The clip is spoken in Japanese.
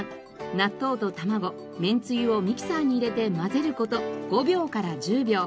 納豆と卵めんつゆをミキサーに入れて混ぜる事５秒から１０秒。